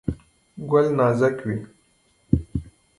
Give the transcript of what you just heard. ګل نازک وي.